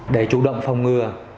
để chủ động phòng ngừa